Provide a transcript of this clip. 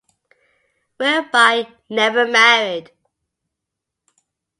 Wilbye never married.